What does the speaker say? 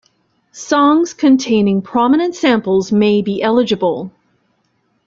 Songs containing prominent samples may be eligible.